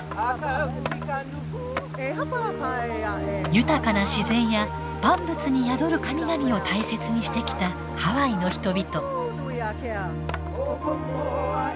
豊かな自然や万物に宿る神々を大切にしてきたハワイの人々。